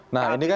nah ini kan